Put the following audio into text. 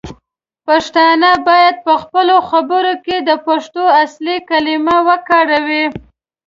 پښتانه باید پخپلو خبرو کې د پښتو اصلی کلمې وکاروي.